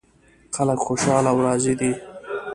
خلک خوشحال او راضي دي